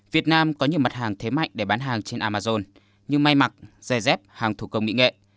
việt nam có nhiều mặt hàng thế mạnh để bán hàng trên amazon như may mặc giày dép hàng thủ công mỹ nghệ